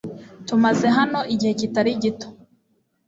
Tumaze hano igihe kitari gito.